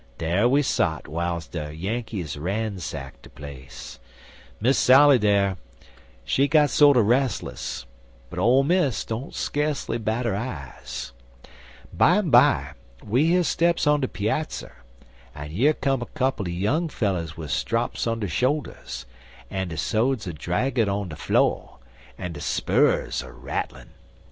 Dar we sot w'iles de Yankees ransack de place. Miss Sally, dar, she got sorter restless, but Ole Miss didn't skasely bat 'er eyes. Bimeby, we hear steps on de peazzer, en yer come a couple er young fellers wid strops on der shoulders, en der sodes a draggin' on de flo', en der spurrers a rattlin'.